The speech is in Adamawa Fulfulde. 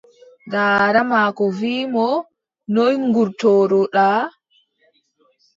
Daada maako wii mo, noy ngurtoto-ɗa?